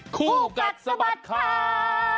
คู่กัดสะบัดข่าว